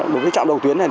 đối với trạm đầu tuyến này